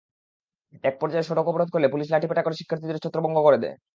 একপর্যায়ে সড়ক অবরোধ করলে পুলিশ লাঠিপেটা করে শিক্ষার্থীদের ছত্রভঙ্গ করে দেয়।